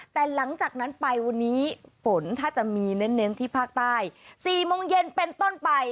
แต่หลังจากนั้นไปวันนี้ฝนถ้าจะมีเน้นที่ภาคใต้๔โมงเย็นเป็นต้นไป